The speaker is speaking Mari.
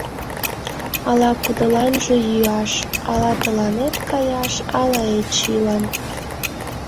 Ала-кудыланже йӱаш: ала тыланет каяш, ала Эчилан.